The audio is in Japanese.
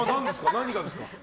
何がですか？